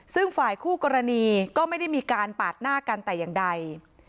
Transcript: ซึ่งฝ่ายคู่กรณีก็ไม่ได้มีการปาดหน้ากันแต่อย่างใด